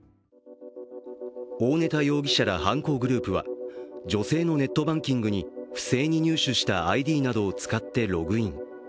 大根田容疑者ら犯行グループは、女性のネットバンキングに不正に入手したＩＤなどを使ってログイン。